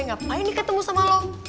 ngapain diketemu sama lo